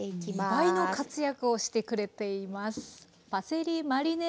２倍の活躍をしてくれています。